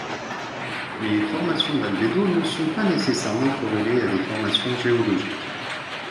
Les formations d'albédo ne sont pas nécessairement corrélées à des formations géologiques.